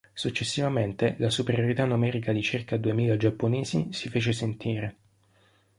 Successivamente la superiorità numerica di circa duemila giapponesi si fece sentire.